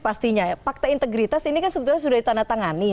pastinya fakta integritas ini kan sebetulnya sudah ditanda tangani